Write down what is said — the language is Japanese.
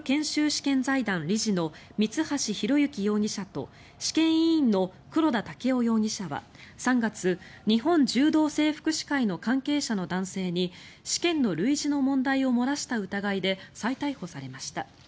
試験財団理事の三橋裕之容疑者と試験委員の黒田剛生容疑者は３月日本柔道整復師会の関係者の男性に試験の類似の問題を漏らした疑いで再逮捕されました。